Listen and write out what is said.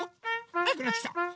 はやくなってきた！